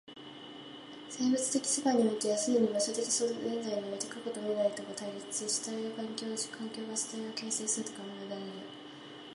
生物的世界においては既に場所的現在において過去と未来とが対立し、主体が環境を、環境が主体を形成すると考えられる。